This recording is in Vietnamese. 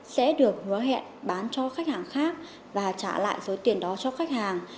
sẽ được hứa hẹn bán cho khách hàng khác và trả lại số tiền đó cho khách hàng